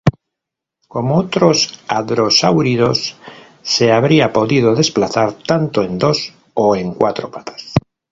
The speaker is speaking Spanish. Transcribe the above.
Como otros hadrosáuridos, se habría podido desplazar tanto en dos o en cuatro patas.